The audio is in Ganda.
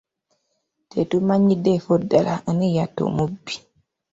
Tetumanyiddeeko ddala ani yatta omubbi.